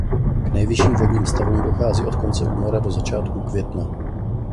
K nejvyšším vodním stavům dochází od konce února do začátku května.